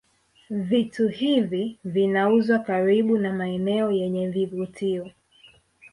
Vitu hivi vinauzwa karibu na maeneo yenye vivutio